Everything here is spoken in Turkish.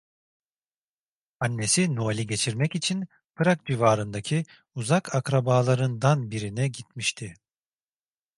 Annesi Noel'i geçirmek için Prag civarındaki uzak akrabalarından birine gitmişti.